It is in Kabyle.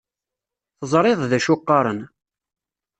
Teẓriḍ d acu qqaren.